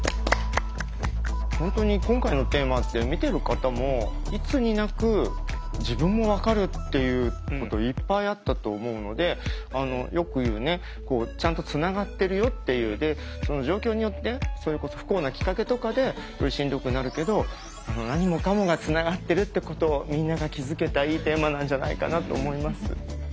本当に今回のテーマって見てる方もいつになく自分も分かるっていうこといっぱいあったと思うのでよく言うねちゃんとつながってるよっていうその状況によってそれこそ不幸なきっかけとかでしんどくなるけど何もかもがつながってるってことをみんなが気づけたいいテーマなんじゃないかなと思います。